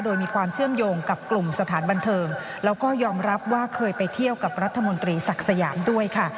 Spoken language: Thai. โดยมีความเชื่อมโยงกับกลุ่มสถานบันเทิงแล้วก็ยอมรับว่าเคยไปเที่ยวกับรัฐมนตรีศักดิ์สยามด้วยค่ะ